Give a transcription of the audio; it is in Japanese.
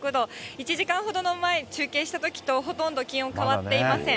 １時間ほど前に中継したときとほとんど気温、変わっていません。